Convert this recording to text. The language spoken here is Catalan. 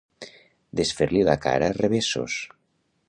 Desfer-li la cara a revessos.